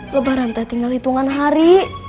lebaran teh tinggal hitungan hari